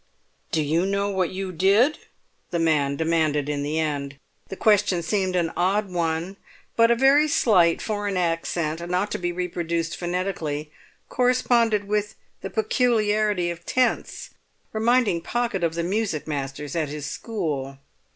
"Do you know what you did?" the man demanded in the end. The question seemed an odd one, but a very slight foreign accent, not to be reproduced phonetically, corresponded with the peculiarity of tense, reminding Pocket of the music masters at his school.